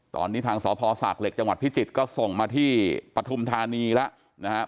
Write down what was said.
ตอนนี้ทางสพศากเหล็กจังหวัดพิจิตรก็ส่งมาที่ปฐุมธานีแล้วนะครับ